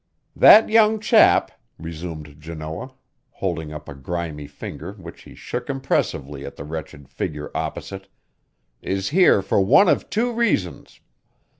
"That young chap," resumed Janoah, holding up a grimy finger which he shook impressively at the wretched figure opposite, "is here for one of two reasons.